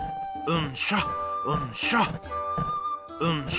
うんしょうんしょ。